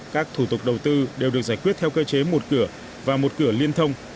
các thủ tục đầu tư đều được giải quyết theo cơ chế một cửa và một cửa liên thông